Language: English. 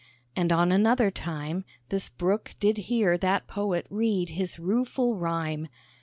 And on another time, This Brook did hear that Poet read his rueful rhyme.